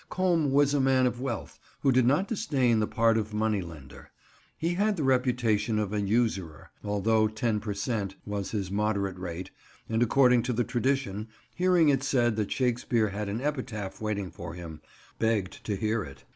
Combe was a man of wealth, who did not disdain the part of money lender. He had the reputation of an usurer, although ten per cent. was his moderate rate, and, according to the tradition, hearing it said that Shakespeare had an epitaph waiting for him, begged to hear it.